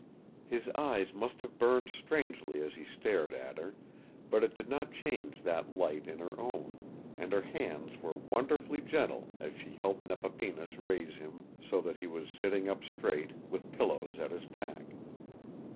His eyes must have burned strangely as he stared at her, but it did not change that light in her own, and her hands were wonderfully gentle as she helped Nepapinas raise him so that he was sitting up straight, with pillows at his back.